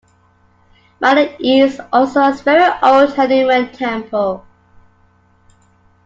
Malad East also has very old Hanuman temple.